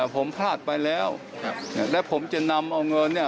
ผมพลาดไปแล้วและผมจะนำเอาเงินเนี่ย